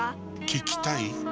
聞きたい？